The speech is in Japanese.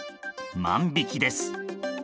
万引きです。